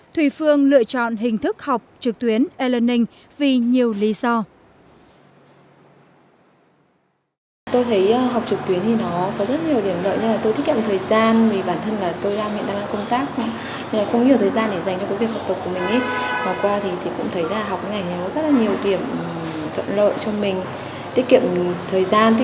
thùy phương lựa chọn hình thức học trực tuyến e learning vì nhiều lý do